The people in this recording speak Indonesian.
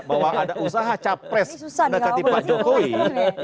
bahwa ada usaha capres dekat di pak jokowi